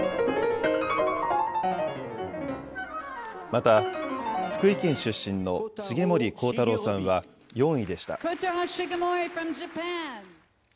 また、福井県出身の重森光太郎さんは４位でした。